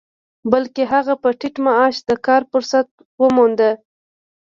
بلکې هغه په ټيټ معاش د کار فرصت وموند.